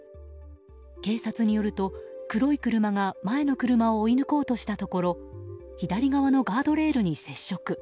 警察によると、黒い車が前の車を追い抜こうとしたところ左側のガードレールに接触。